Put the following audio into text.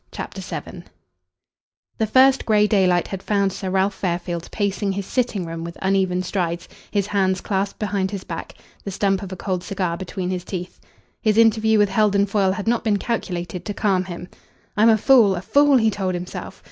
CHAPTER VII The first grey daylight had found Sir Ralph Fairfield pacing his sitting room with uneven strides, his hands clasped behind his back, the stump of a cold cigar between his teeth. His interview with Heldon Foyle had not been calculated to calm him. "I'm a fool a fool," he told himself.